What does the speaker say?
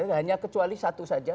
hanya kecuali satu saja